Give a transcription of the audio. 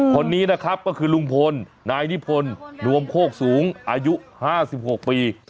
คนนี้นะครับก็คือลุงพลนายนิพพลรวมโคกสูงอายุห้าสิบหกปี